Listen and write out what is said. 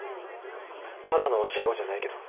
ただの教え子じゃないけど。